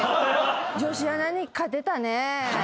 女子アナに勝てたね。